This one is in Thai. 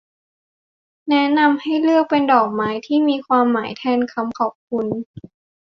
แนะนำให้เลือกเป็นดอกไม้ที่มีความหมายแทนคำขอบคุณ